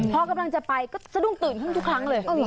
พอกำลังจะไปก็สะดุ้งตื่นขึ้นทุกครั้งเลย